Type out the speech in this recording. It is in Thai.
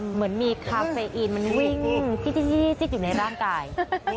เหมือนมีคาเฟอีนมันวิ่งจิ๊ดอยู่ในร่างกาย